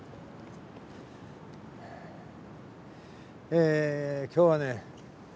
え今日はね